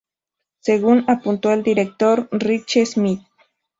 Según apuntó el director Ritchie Smyth.